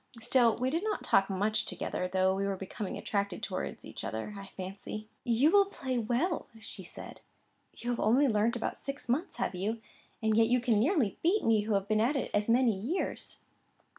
Still we did not talk much together, though we were becoming attracted towards each other, I fancy. "You will play well," said she. "You have only learnt about six months, have you? And yet you can nearly beat me, who have been at it as many years."